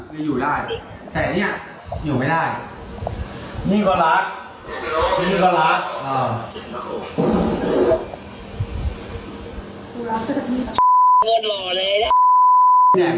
คืออยู่ได้แต่เนี่ยอยู่ไม่ได้นี่ก็รักนี่ก็รัก